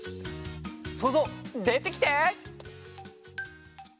そうぞうでてきて！